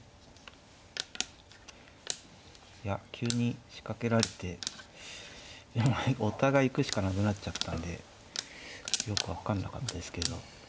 いや急に仕掛けられてお互い行くしかなくなっちゃったんでよく分かんなかったですけど。